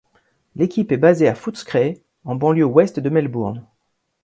L'équipe est basé à Footscray en banlieue ouest de Melbourne.